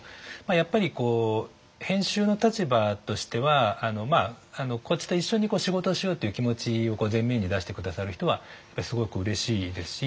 やっぱり編集の立場としてはこっちと一緒に仕事をしようっていう気持ちを前面に出して下さる人はすごくうれしいですし。